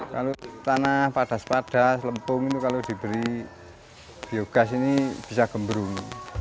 kalau tanah padas padas lempung itu kalau diberi biogas ini bisa gembrung